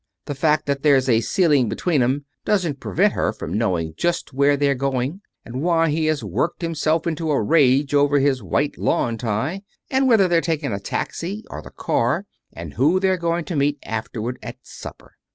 The fact that there's a ceiling between 'em doesn't prevent her from knowing just where they're going, and why he has worked himself into a rage over his white lawn tie, and whether they're taking a taxi or the car and who they're going to meet afterward at supper.